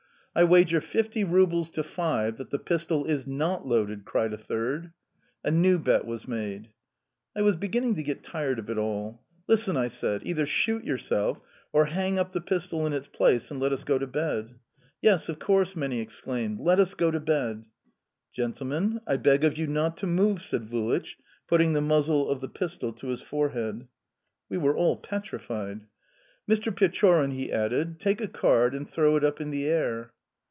"I wager fifty rubles to five that the pistol is not loaded!" cried a third. A new bet was made. I was beginning to get tired of it all. "Listen," I said, "either shoot yourself, or hang up the pistol in its place and let us go to bed." "Yes, of course!" many exclaimed. "Let us go to bed." "Gentlemen, I beg of you not to move," said Vulich, putting the muzzle of the pistol to his forehead. We were all petrified. "Mr. Pechorin," he added, "take a card and throw it up in the air."